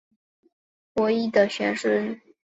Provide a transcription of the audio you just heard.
伯益的玄孙。